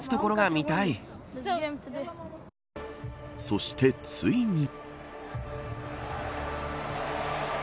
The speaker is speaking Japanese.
そして、ついに。